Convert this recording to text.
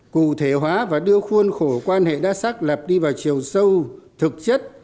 cụ thể hóa và đưa khuôn khổ quan hệ đa sắc lập đi vào chiều sâu thực chất